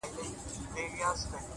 مثبت فکر د ارام ژوند ملګری دی؛